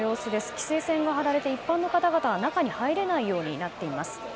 規制線が張られて一般の方は中に入れないようになっています。